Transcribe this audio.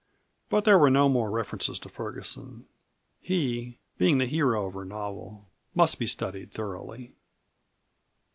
But there were no more references to Ferguson. He being the hero of her novel must be studied thoroughly.